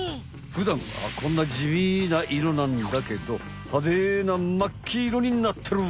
ふだんはこんなじみな色なんだけどはでなまっ黄色になってる。